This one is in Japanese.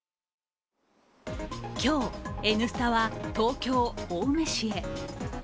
今日、「Ｎスタ」は東京・青梅市へ。